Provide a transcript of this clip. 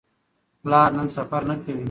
پلار نن سفر نه کوي.